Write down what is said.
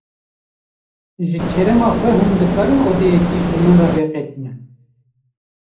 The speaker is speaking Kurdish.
Ji kerema xwe hûn dikarin odeyekê ji min re veqetînin?